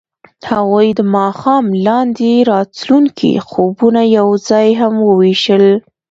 هغوی د ماښام لاندې د راتلونکي خوبونه یوځای هم وویشل.